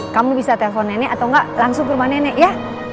kamu bisa telpon nenek atau enggak langsung ke rumah nenek ya